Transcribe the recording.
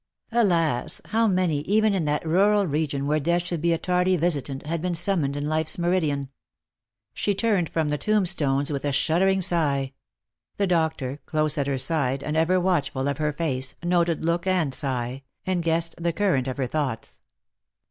Alas, how many, even in that rural region where death should be a tardy visitant, had been summoned in life's meridan ! She turned from the tombstones with a shudder ing sigh. The doctor, close at her side, and ever watchful of her face, noted look and sigh, and guessed the current of her thoughts.